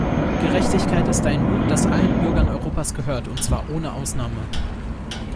Gerechtigkeit ist ein Gut, das allen Bürgern Europas gehört, und zwar ohne Ausnahme.